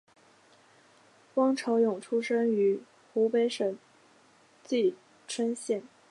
汪潮涌出生于湖北省蕲春县。